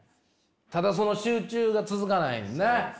ただその集中が続かないねっ？